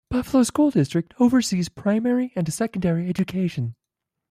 Buffalo School District oversees primary and secondary education.